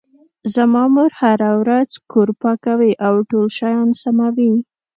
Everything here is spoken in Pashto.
زما مور هره ورځ کور پاکوي او ټول شیان سموي